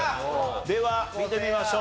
では見てみましょう。